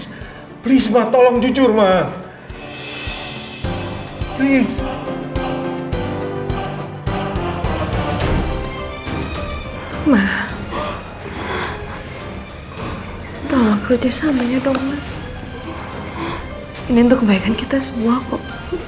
hai maaf tolong kerjasamanya dong ini untuk kebaikan kita semua kok